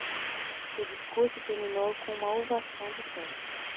Seu discurso terminou com uma ovação de pé.